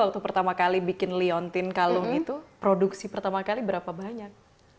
waktu pertama kali bikin liontin kalung itu produksi pertama kali berapa banyak